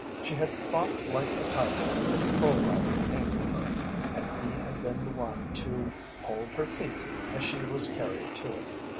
She had fought like a tiger when the patrol wagon came for her, and he had been the one to hold her feet as she was carried to it.